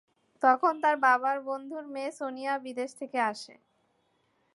তখন তার বাবার বন্ধুর মেয়ে সোনিয়া বিদেশ থেকে আসে।